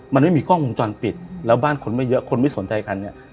มันไม่มีกล้องวงจรปิดแล้วบ้านคนไม่เยอะคนไม่สนใจกันเนี่ย